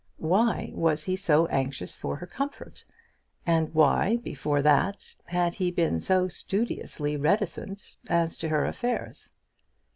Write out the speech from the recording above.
Why was he so anxious for her comfort? And why, before that, had he been so studiously reticent as to her affairs?